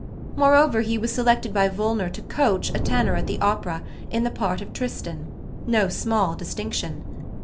Moreover, he was selected by Wüllner to "coach" a tenor at the Opera in the part of Tristan no small distinction.